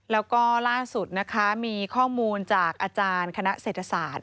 แล้วก็ล่าสุดนะคะมีข้อมูลจากอาจารย์คณะเศรษฐศาสตร์